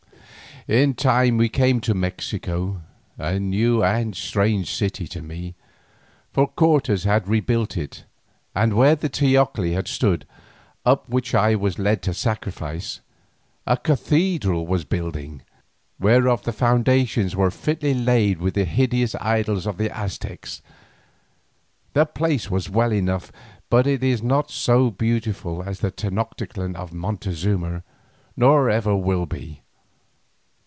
In time we came to Mexico, a new and a strange city to me, for Cortes had rebuilt it, and where the teocalli had stood, up which I was led to sacrifice, a cathedral was building, whereof the foundations were fitly laid with the hideous idols of the Aztecs. The place was well enough, but it is not so beautiful as the Tenoctitlan of Montezuma, nor ever will be.